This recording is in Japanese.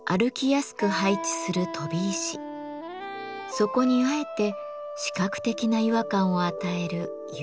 そこにあえて視覚的な違和感を与える「ゆらぎ」。